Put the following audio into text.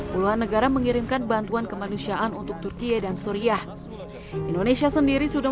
puluhan negara mengirimkan bantuan kemanusiaan untuk turkiye dan suriah indonesia sendiri sudah